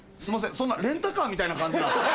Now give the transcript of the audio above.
そんなレンタカーみたいな感じ。